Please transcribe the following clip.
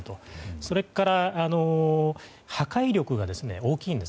それから破壊力が大きいんです。